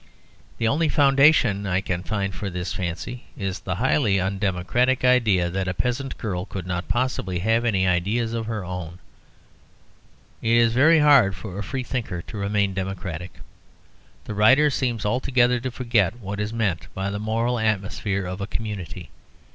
The only foundation I can find for this fancy is the highly undemocratic idea that a peasant girl could not possibly have any ideas of her own. It is very hard for a freethinker to remain democratic. The writer seems altogether to forget what is meant by the moral atmosphere of a community.